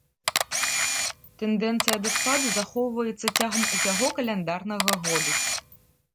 Тэндэнцыя да спаду захоўваецца цягам усяго каляндарнага году.